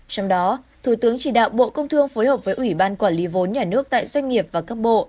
trong đó thủ tướng chỉ đạo bộ công thương phối hợp với ủy ban quản lý vốn nhà nước tại doanh nghiệp và cấp bộ